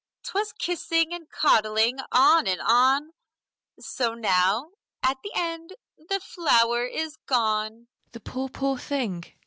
'Twas kissing and coddling, on and on! So now, at the end, the flower is gone.